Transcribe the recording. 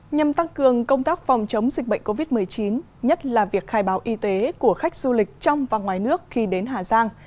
nhằm tăng cường công tác phòng chống dịch bệnh covid một mươi chín nhất là việc khai báo y tế của khách du lịch trong và ngoài nước khi đến hà giang